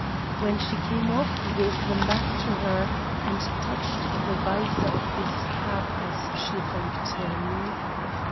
When she came off he gave them back to her and touched the visor of his cap as she thanked him.